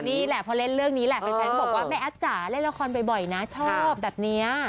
นี่แหละพอเล่นเรื่องนี้แหละแฟนก็บอกว่าแม่แอฟจ๋าเล่นละครบ่อยนะชอบแบบนี้